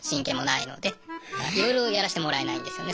いろいろやらせてもらえないんですよね